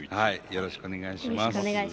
よろしくお願いします。